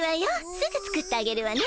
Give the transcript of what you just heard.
すぐ作ってあげるわね。